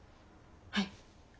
はい。